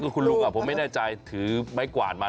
มีขับคุณลูกอะผมไม่แน่ใจถือไม้กว่านมา